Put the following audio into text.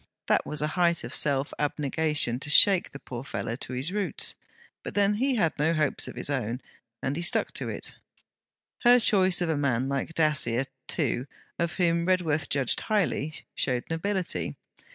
That was a height of self abnegation to shake the poor fellow to his roots; but, then, he had no hopes of his own; and he stuck to it. Her choice of a man like Dacier, too, of whom Redworth judged highly, showed nobility.